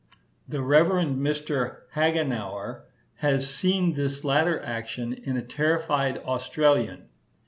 The Rev. Mr. Hagenauer has seen this latter action in a terrified Australian.